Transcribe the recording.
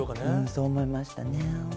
そう思いましたね。